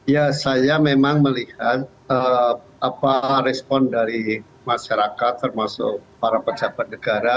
ya saya memang melihat apa respon dari masyarakat termasuk para pejabat negara